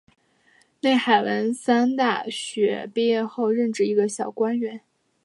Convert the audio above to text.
内海文三大学毕业后任职一个小官员。